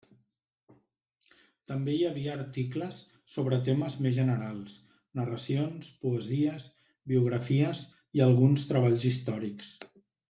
També hi havia articles sobre temes més generals, narracions, poesies, biografies i alguns treballs històrics.